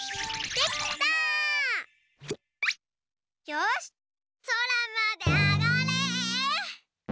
よしそらまであがれ！